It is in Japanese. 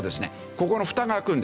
ここのフタが開くんです。